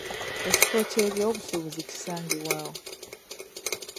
Ekifo ky'ebyobusuubuzi kisangibwa wa?